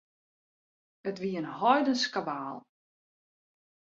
It wie in heidensk kabaal.